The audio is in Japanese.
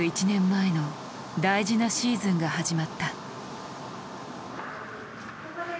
１年前の大事なシーズンが始まった。